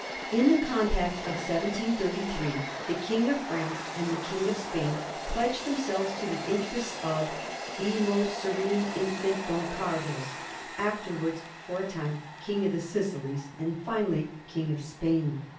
In the compact of 1733 the King of France and the King of Spain pledged them selves to thoi interests of ^' the most serene infant Don Carlos," afterwards for a time King of the Sicilies, and then finally King of Spain.